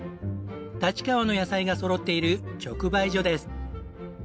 立川の野菜がそろっている直売所です。